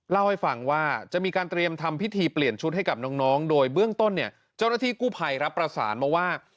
เล่าให้ฟังว่าจะมีการเตรียมทำพิธีเปลี่ยนชุดให้กับน้องโดยเบื้องต้นเนี่ยเจ้าหน้าที่กู้ภัยรับประสานมาว่า